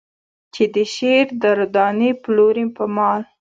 چې د شعر در دانې پلورې په مال.